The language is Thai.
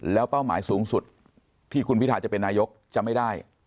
แล้วเป้าหมายสูงสุดที่คุณพิทาจะเป็นนายกจะไม่ได้